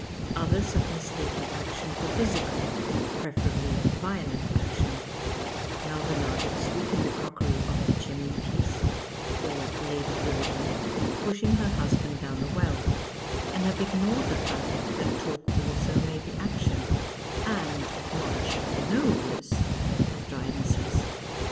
Others have mistaken action for physical, j)referably \ iolent action — Maldonado sweeping the crockery off the chimney pieee or Lady .ViuIIt y pusjiiug her lnisl)an(l (htwii 122 PLAYS OF TALK the well — and have ignored the fact that talk also may be action, " and much the noblest," as Dryden says.